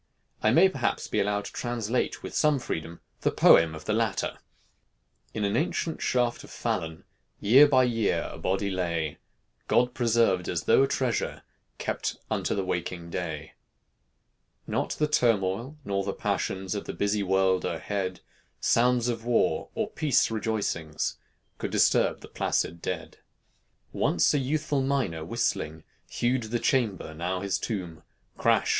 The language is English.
I may perhaps be allowed to translate with some freedom the poem of the latter: In an ancient shaft of Falun Year by year a body lay, God preserved, as though a treasure, Kept unto the waking day. Not the turmoil, nor the passions, Of the busy world o'erhead, Sounds of war, or peace rejoicings, Could disturb the placid dead. Once a youthful miner, whistling, Hewed the chamber, now his tomb: Crash!